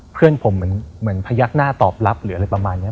เพื่อนผมเหมือนพยักหน้าตอบรับหรืออะไรประมาณนี้